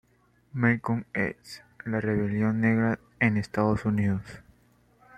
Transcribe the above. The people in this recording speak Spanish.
Malcom x, La Rebelión negra en Estados Unidos.